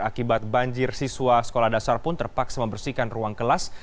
akibat banjir siswa sekolah dasar pun terpaksa membersihkan ruang kelas